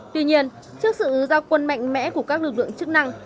tuy nhiên trước sự giao quân mạnh mẽ của các lực lượng chức năng